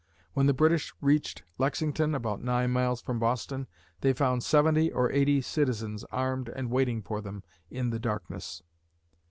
When the British reached Lexington (about nine miles from Boston), they found seventy or eighty citizens armed and waiting for them in the darkness!